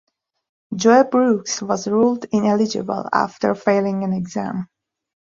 Joe Brooks was ruled ineligible after failing an exam.